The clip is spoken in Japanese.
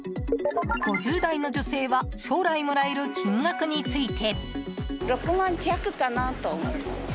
５０代の女性は将来もらえる金額について。